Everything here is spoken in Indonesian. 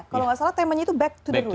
kalau nggak salah temanya itu back to the roa